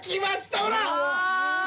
ほら！